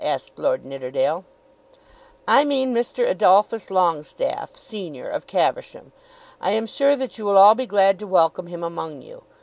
asked Lord Nidderdale. "I mean Mr. Adolphus Longestaffe, senior, of Caversham. I am sure that you will all be glad to welcome him among you.